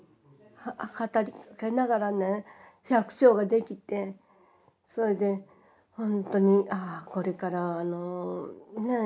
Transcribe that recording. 語りかけながらね百姓ができてそれでほんとにああこれからあのねえ